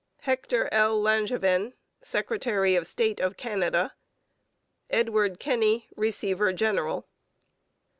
HECTOR L. LANGEVIN, Secretary of State of Canada. EDWARD KENNY, Receiver General.